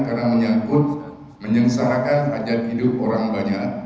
karena menyangkut menyengsarakan hajat hidup orang banyak